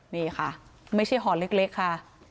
นี่ค่ะไม่ใช่ห่อเล็กค่ะ